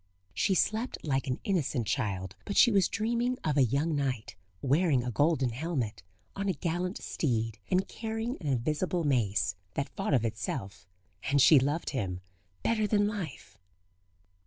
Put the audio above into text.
She slept like an innocent child, but she was dreaming of a young knight, wearing a golden helmet, on a gallant steed, and carrying an invisible mace, that fought of itself; ... and she loved him better than life.